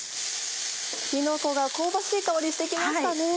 きのこが香ばしい香りして来ましたね。